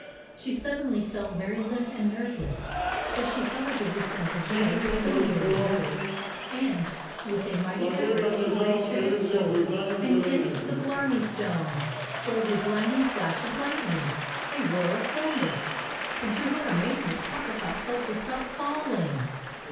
She suddenly felt very limp and nerveless, but she thought of the December day, so nearly hers; and, with a mighty effort, she raised her head forward, and KISSED THE BLARNEY STONE! There was a blinding flash of lightning! A roar of thunder! And, to her amazement, Coppertop felt herself FALLING!